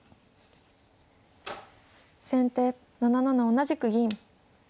先手７七同じく銀。